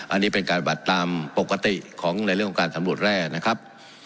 อันนี้เป็นการบัตรตามปกติของในเรื่องของการสำรวจแร่นะครับ